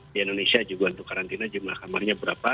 di indonesia juga untuk karantina jumlah kamarnya berapa